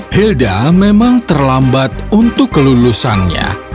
hilda memang terlambat untuk kelulusannya